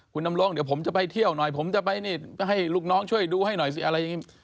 คุณดำรงเดี๋ยวผมจะไปเที่ยวหน่อยผมจะไปนี่ก็ให้ลูกน้องช่วยดูให้หน่อยสิอะไรอย่างนี้